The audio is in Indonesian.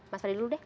mas fadli dulu deh